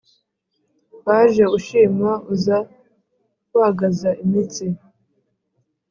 waje ushima uza wagaza imitsi